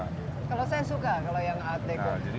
kalau saya suka kalau yang art deko